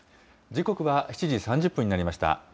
時刻は７時３０分になりました。